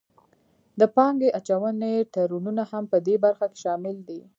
د پانګې اچونې تړونونه هم پدې برخه کې شامل دي